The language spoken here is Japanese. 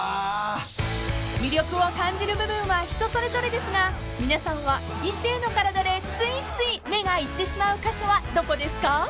［魅力を感じる部分は人それぞれですが皆さんは異性の体でついつい目がいってしまう箇所はどこですか？］